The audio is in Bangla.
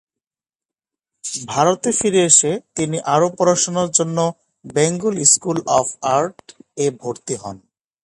ভারতে ফিরে এসে, তিনি আরও পড়াশোনার জন্য বেঙ্গল স্কুল অব আর্ট এ ভর্তি হন।